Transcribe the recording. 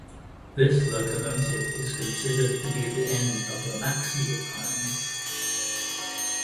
This locomotive is considered to be the end of the Maxi line.